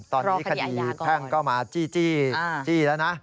ตอนนี้คดีแพ่งก็มาจี้แล้วนะ